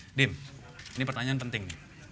nadiem ini pertanyaan penting